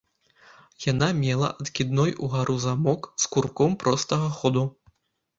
Яна мела адкідной угару замок з курком простага ходу.